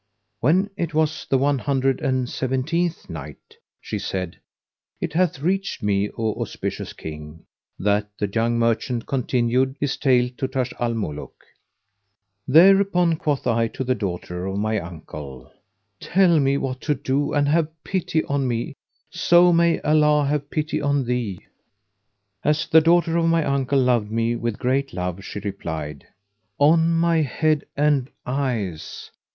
When it was the One Hundred and Seventeenth Night, She said, It hath reached me, O auspicious King, that the young merchant continued his tale to Taj al Muluk: "Thereupon quoth I to the daughter of my uncle, "Tell me what to do and have pity on me, so may Allah have pity on thee!" As the daughter of my uncle loved me with great love, she replied, "On my head and eyes!